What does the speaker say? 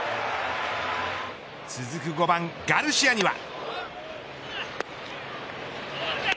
続く５番ガルシアには。